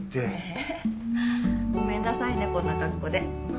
えごめんなさいねこんな格好で。